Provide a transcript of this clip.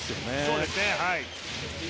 そうですね。